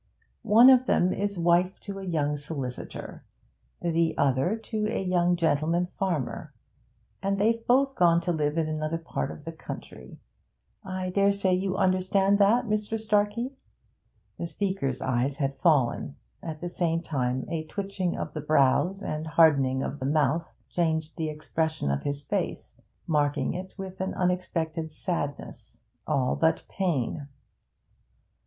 'One of them is wife to a young solicitor; the other to a young gentleman farmer. And they've both gone to live in another part of the country. I dare say you understand that, Mr. Starkey?' The speaker's eyes had fallen; at the same time a twitching of the brows and hardening of the mouth changed the expression of his face, marking it with an unexpected sadness, all but pain.